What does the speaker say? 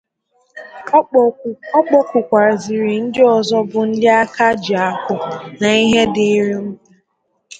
Ọ kpọkùkwàzịrị ndị ọzọ bụ ndị aka ji akụ na ndị ihe dịịrị mma